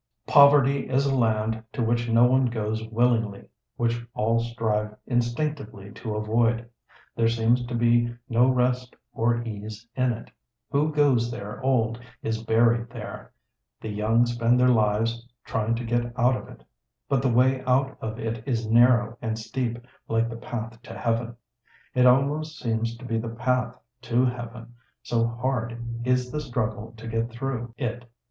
Poverty is a land to which no one goes willingly, which all strive instinctively to avoid. There seems to be no rest or ease in it. Who goes there old is buried there. The young spend their lives trying to get out of it. But the way out of it is narrow and steep, like the path to Heaven. It almost seems to be the path to Heaven, so hard is the struggle to get through it.